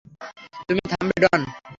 তুমি থামবে ডন।